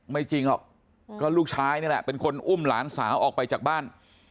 จริงหรอกก็ลูกชายนี่แหละเป็นคนอุ้มหลานสาวออกไปจากบ้าน